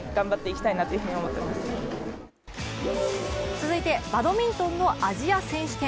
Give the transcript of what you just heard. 続いてバドミントンのアジア選手権。